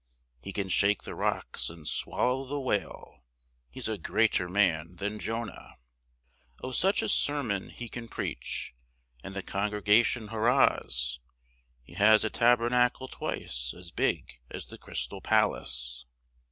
He can shake the rocks and swallow the whale He's a greater man than Jonah. Oh, such a sermon he can preach, And the congregation harras, He has a tabernacle twice As big as the Crystal Palace.